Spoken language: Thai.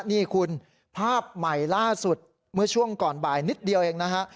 นี่คุณภาพใหม่ล่าสุดเมื่อช่วงก่อนบ่ายนิดเดียวเองนะฮะ